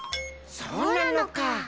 そうなのか。